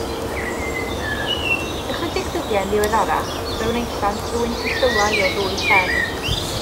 Ychydig ddyddiau'n ddiweddarach, fe wnaethant ddwyn ceffylau o ddwy fferm.